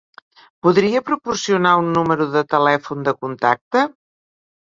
Podria proporcionar un número de telèfon de contacte?